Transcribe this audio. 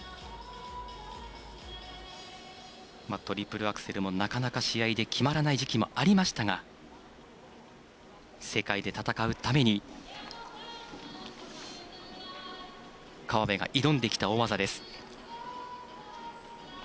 トリプルアクセルもなかなか試合で決まらない時期もありましたが世界で戦うために河辺が挑んできた大技です。